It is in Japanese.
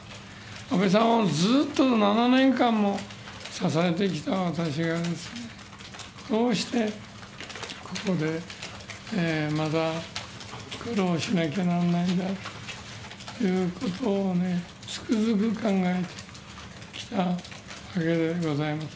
安倍さんをずっと７年間も支えてきた私がですね、どうしてここで、まだ苦労しなきゃなんないんだということで、つくづく考えてきたわけでございます。